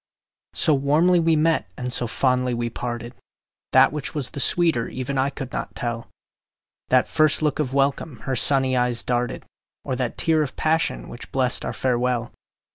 So warmly we met and so fondly we parted, That which was the sweeter even I could not tell, That first look of welcome her sunny eyes darted, Or that tear of passion, which blest our farewell.